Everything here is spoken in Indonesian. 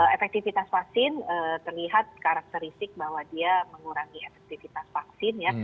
efektivitas vaksin terlihat karakteristik bahwa dia mengurangi efektivitas vaksin ya